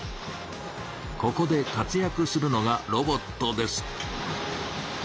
ここで活やくするのがロボットです。